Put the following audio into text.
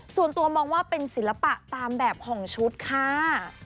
ส่วนตัวมองว่าเป็นศิลปะตามแบบของชุดค่ะ